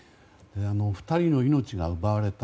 ２人の命が奪われた。